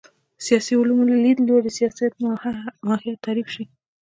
سیاسي علومو له لید لوري سیاست ماهیت تعریف شي